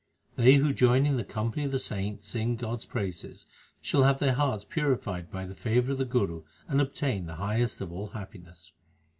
They who joining the company of the saints sing God s praises, Shall have their hearts purified by the favour of the Guru and obtain the highest of all happiness.